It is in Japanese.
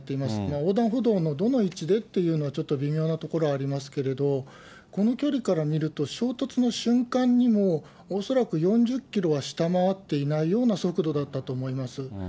横断歩道のどの位置でというのは、ちょっと微妙なところありますけれども、この距離から見ると、衝突の瞬間にも恐らく４０キロは下回っていないような速度だったと思います。